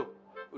tuh kagak malu